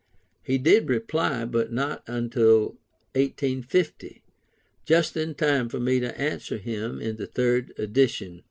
He did reply but not till 1850, just in time for me to answer him in the third edition.